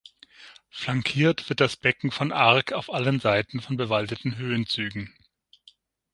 Flankiert wird das Becken von Arc auf allen Seiten von bewaldeten Höhenzügen.